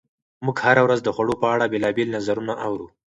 موږ هره ورځ د خوړو په اړه بېلابېل نظرونه اورو.